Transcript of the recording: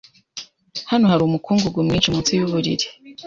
Hano hari umukungugu mwinshi munsi yuburiri.